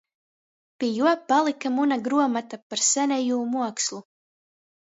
Pi juo palyka muna gruomota par senejū muokslu.